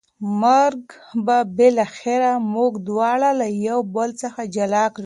مرګ به بالاخره موږ دواړه له یو بل څخه جلا کړي.